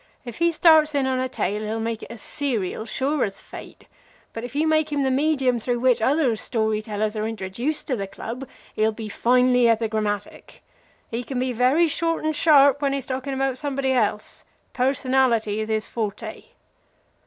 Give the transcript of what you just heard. If he starts in on a tale he'll make it a serial sure as fate, but if you make him the medium through which other story tellers are introduced to the club he'll be finely epigrammatic. He can be very short and sharp when he's talking about somebody else. Personality is his forte."